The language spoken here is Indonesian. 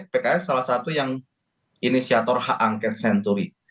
pks salah satu yang inisiator hak angket senturi